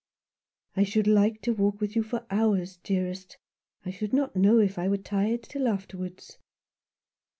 " I should like to walk with you for hours, 73 Rough Justice. dearest I should not know if I were tired, till afterwards."